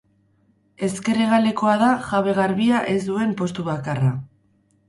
Ezker hegalekoa da jabe garbia ez duen postu bakarra.